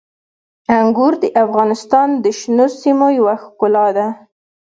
انګور د افغانستان د شنو سیمو یوه ښکلا ده.